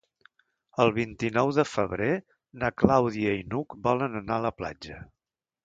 El vint-i-nou de febrer na Clàudia i n'Hug volen anar a la platja.